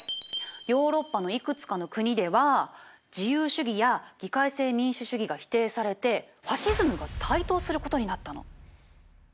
ヨーロッパのいくつかの国では自由主義や議会制民主主義が否定されてファシズムが台頭することになったの。